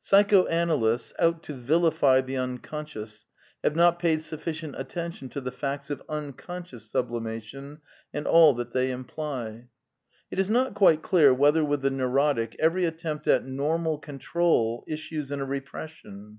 (Psychoanalysts, out to vilify the Uncon scious, have not paid sufiicient attention to the facts of unconscums avhlimation and all that they imply. ) It is not quite clear whether with the neurotic every at tempt at normal control issues in a repression.